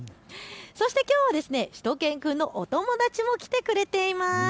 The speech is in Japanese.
そしてきょうはしゅと犬くんのお友達も来てくれています。